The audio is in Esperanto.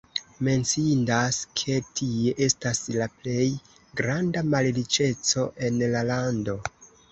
Menciindas, ke tie estas la plej granda malriĉeco en la lando.